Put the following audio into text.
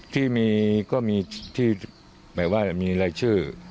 ที่มีก็มีที่หมายว่ามีรายชื่อ